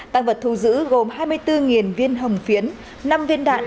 tăng vật thu giữ gồm hai mươi bốn viên hồng phiến năm viên đạn